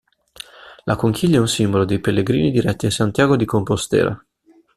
La conchiglia è un simbolo dei pellegrini diretti a Santiago di Compostela.